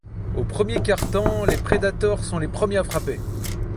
Au premier quart-temps, les Predators sont les premiers à frapper.